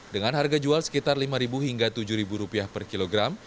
dengan harga jual sekitar lima hingga tujuh rupiah per kilogram